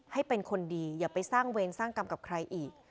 ให้เป็นคนดีอย่าไปสร้างเวรสร้างกรรมกับใครอีก